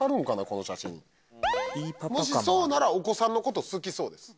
この写真もしそうならお子さんのこと好きそうです